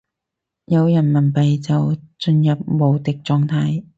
有人民幣就進入無敵狀態